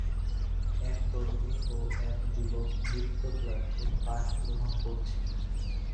এক তরুণী ও এক যুবক নৃত্য ক্লাসে পাঠ গ্রহণ করছে